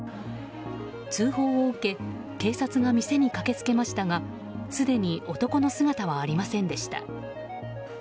通報を受け警察が店に駆けつけましたがすでに男の姿はありませんでした。